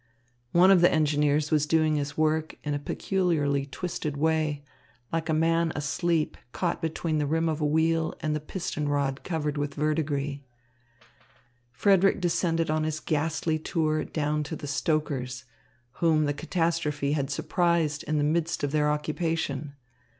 One of the engineers was doing his work in a peculiarly twisted way, like a man asleep caught between the rim of the wheel and the piston rod covered with verdigris. Frederick descended on his ghastly tour down to the stokers, whom the catastrophe had surprised in the midst of their occupation.